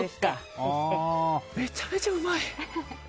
めちゃめちゃうまい。